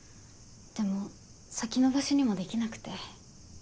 でも先延ばしにもできなくて。